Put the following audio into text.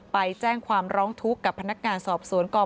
ไปแจ้งความร้องทุกข์กับพนักงานสอบสวนกอง